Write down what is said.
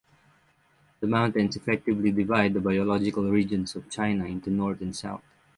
The mountains effectively divide the biological regions of China into north and south.